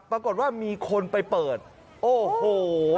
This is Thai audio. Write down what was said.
ปรากฏว่ามีคนไปเปิดโอ้โห